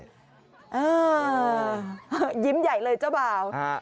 เอ่อหยิ้มใหญ่เลยเจ้าเบา